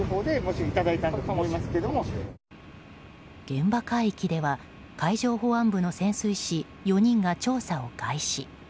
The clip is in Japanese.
現場海域では海上保安部の潜水士４人が調査を開始。